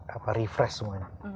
rasanya refresh semuanya